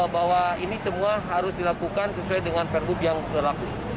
bahwa ini semua harus dilakukan sesuai dengan pergub yang berlaku